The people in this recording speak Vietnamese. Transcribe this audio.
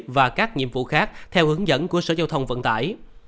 và các nhiệm vụ khác theo hướng dẫn của sở giao thông vận tải